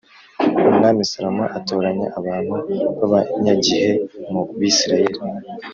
Umwami Salomo atoranya abantu b’abanyagihe mu Bisirayeli